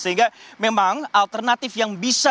sehingga memang alternatif yang bisa